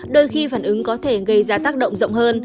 đôi khi phản ứng có thể gây ra tác động rộng hơn